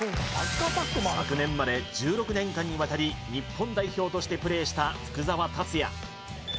昨年まで１６年間にわたり日本代表としてプレーした福澤達哉